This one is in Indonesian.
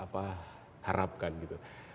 apa harapkan gitu